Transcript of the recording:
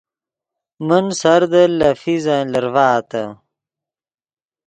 من سردل لے فیزن لرڤآتے